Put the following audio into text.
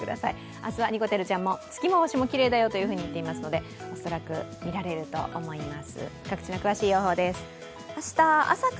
あすはにこてるちゃんも月も星もきれいだといっているので恐らく見られると思います。